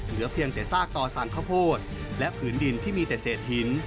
เหลือเพียงสากตอสังขขอโพรตและผืนดินที่มีแต่เศษหิน